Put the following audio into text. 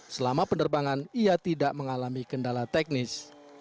selama penerbangan ia tidak mengalami kendala teknis